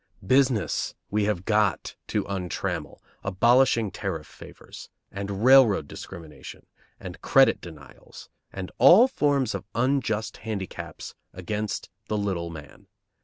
Business we have got to untrammel, abolishing tariff favors, and railroad discrimination, and credit denials, and all forms of unjust handicaps against the little man.